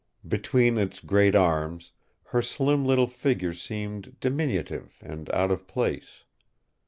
Between its great arms her slim little figure seemed diminutive and out of place.